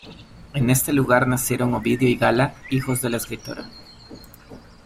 En este lugar nacieron Ovidio y Gala, hijos de la escritora.